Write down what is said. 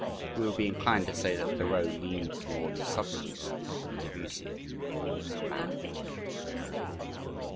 We would be inclined to say that Thoreau leaned towards substance and Debussy towards manner.